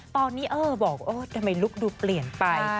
ตอนนี้เออบอกว่าทำไมลุคดูเปลี่ยนไป